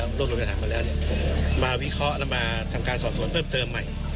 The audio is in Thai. รวบรวมทหารมาแล้วมาวิเคราะห์แล้วมาทำการสอบสวนเพิ่มเติมใหม่